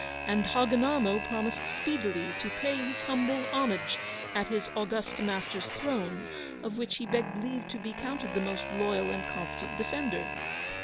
And Hogginarmo promised speedily to pay his humble homage at his august master's throne, of which he begged leave to be counted the most loyal and constant defender.